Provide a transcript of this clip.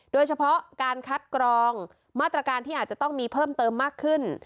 โดยเฉพาะการคัดกรองมาตรการที่อาจจะต้องมีเพิ่มเติมมากขึ้น